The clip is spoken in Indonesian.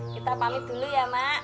kita pamit dulu ya mak